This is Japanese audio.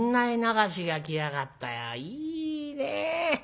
いいねえ！